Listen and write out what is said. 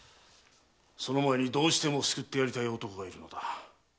その前にどうしても救ってやりたい男がいるんだ。